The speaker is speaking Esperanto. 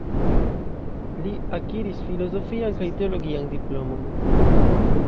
Li akiris filozofian kaj teologian diplomojn.